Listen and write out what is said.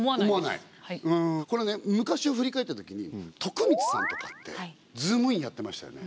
これね昔を振り返ったときに徳光さんとかって「ズームイン！！」やってましたよね。